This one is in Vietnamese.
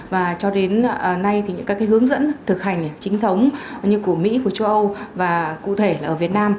và cho đến nay thì những các hướng dẫn thực hành chính thống như của mỹ của châu âu và cụ thể là ở việt nam